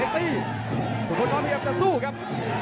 ทุกคนน้อยพยายามจะสู้ครับ